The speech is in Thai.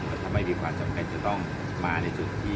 แต่ถ้าไม่ควรจำเป็นจะต้องมาใน๑๙๗๕